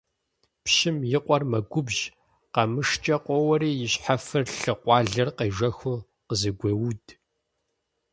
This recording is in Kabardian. Пщым и къуэр мэгубжь, къамышыкӀэ къоуэри и щхьэфэр лъы къуалэр къежэхыу къызыгуеуд.